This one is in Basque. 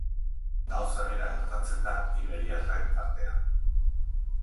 Gauza bera gertatzen da iberiarren artean.